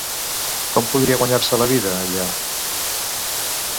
Com podria guanyar-se la vida, allà?